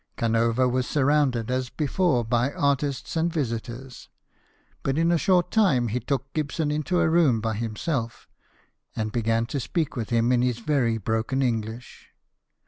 Canova was surrounded as before by artists and visitors ; but in a short time he took Gibson into a room by himself, and began to speak with him in his very broken English.